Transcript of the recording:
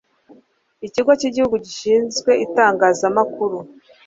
ikigo cy'igihugu gishinzwe itangazamakuru